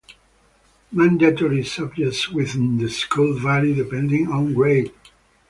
Mandatory subjects within the school vary depending on grade.